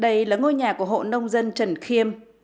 đây là ngôi nhà của hộ nông dân trần khiêm